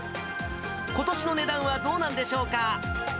ことしの値段はどうなんでしょうか？